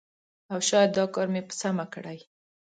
او شاید دا کار مې په سمه کړی